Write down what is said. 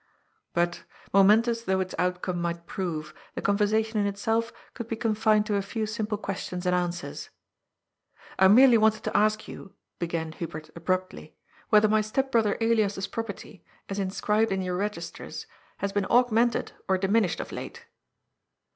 But, momentous though its outcome might prove, the conversation in itself could be confined to a few simple questions and answers. " I merely wanted to ask you," began Hubert abruptly, "whether my step brother Elias's property, as inscribed in your registers, has been augmented or diminished of late."